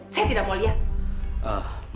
saya tidak mau lihat